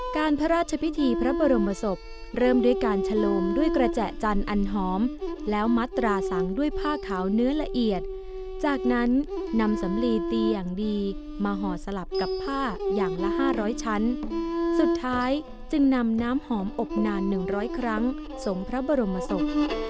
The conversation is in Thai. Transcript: การพระราชพิธีพระบรมศพเริ่มด้วยการชะโลมด้วยกระแจจันทร์อันหอมแล้วมัตราสังด้วยผ้าขาวเนื้อละเอียดจากนั้นนำสำลีตีอย่างดีมาห่อสลับกับผ้าอย่างละ๕๐๐ชั้นสุดท้ายจึงนำน้ำหอมอบนาน๑๐๐ครั้งส่งพระบรมศพ